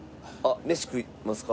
飯食いますか？